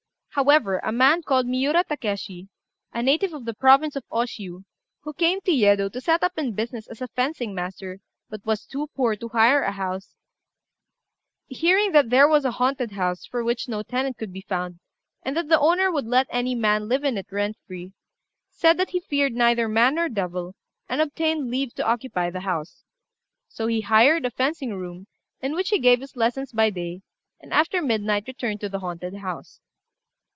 However, a man called Miura Takéshi, a native of the province of Oshiu, who came to Yedo to set up in business as a fencing master, but was too poor to hire a house, hearing that there was a haunted house, for which no tenant could be found, and that the owner would let any man live in it rent free, said that he feared neither man nor devil, and obtained leave to occupy the house. So he hired a fencing room, in which he gave his lessons by day, and after midnight returned to the haunted house.